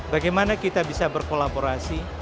bagaimana kita bisa berkolaborasi